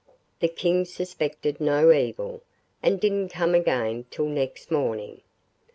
The King suspected no evil, and didn't come again till next morning.